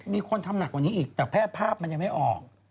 มีคนทำหนักกว่านี้อีกแต่แพร่ภาพมันยังไม่ออก